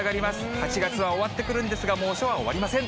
８月は終わってくるんですが、猛暑は終わりません。